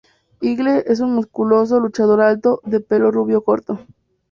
Eagle es un musculoso luchador alto, de pelo rubio corto.